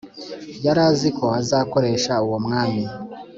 yaraziko azakirogesha uwo mwami.